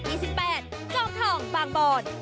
จอมทองบางบอน